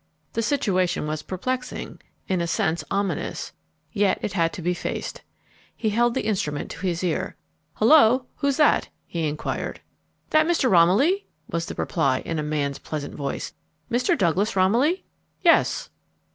The situation was perplexing, in a sense ominous, yet it had to be faced. He held the instrument to his ear. "Hullo? Who's that?" he enquired. "That Mr. Romilly?" was the reply, in a man's pleasant voice. "Mr. Douglas Romilly?" "Yes!"